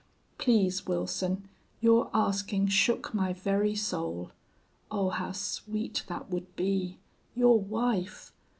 Please, Wilson; your asking shook my very soul! Oh, how sweet that would be your wife!...